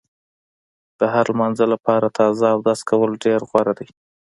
د هر مانځه لپاره تازه اودس کول ډېر غوره دي.